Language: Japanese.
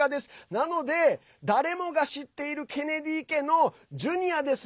なので誰もが知っているケネディ家のジュニアです。